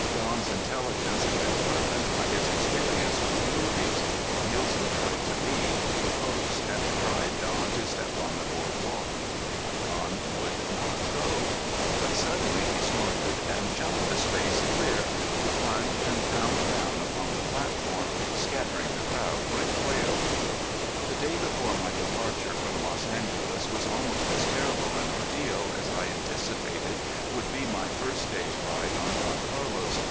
Don's intelligence had been sharpened by his experience with the movies. Nielsen tried to lead, to coax, and to drive Don to step on the board walk. Don would not go. But suddenly he snorted, and jumped the space clear, to plunge and pound down upon the platform, scattering the crowd like quail. The day before my departure from Los Angeles was almost as terrible an ordeal as I anticipated would be my first day's ride on Don Carlos.